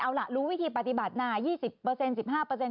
เอาล่ะรู้วิธีปฏิบัติหนา๒๐เปอร์เซ็นต์๑๕เปอร์เซ็นต์